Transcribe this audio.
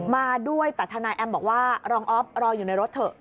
มาด้วยแต่ทนายแอมบอกว่ารองออฟรออยู่ในรถเถอะ